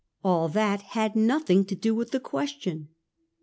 All that had nothing to do with the question.